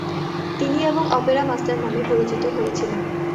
তিনি এবং ‘opera master’ নামে পরিচিত হয়েছিলেন।